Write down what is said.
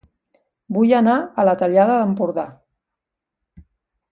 Vull anar a La Tallada d'Empordà